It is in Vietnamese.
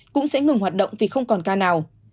cũng sẽ ngừng hoạt động vì không còn ca nào